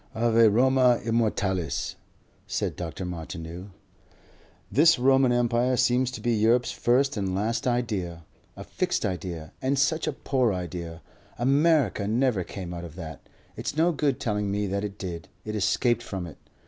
"AVE ROMA IMMORTALIS," said Dr. Martineau. "This Roman empire seems to be Europe's first and last idea. A fixed idea. And such a poor idea!... America never came out of that. It's no good telling me that it did. It escaped from it....